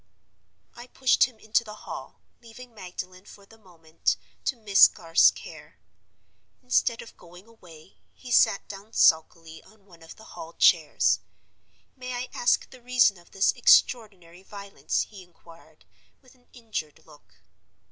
"I pushed him into the hall, leaving Magdalen, for the moment, to Miss Garth's care. Instead of going away, he sat down sulkily on one of the hall chairs. 'May I ask the reason of this extraordinary violence?' he inquired, with an injured look.